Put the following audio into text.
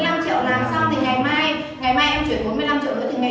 là xong thì ngày mai em chuyển bốn mươi năm triệu nữa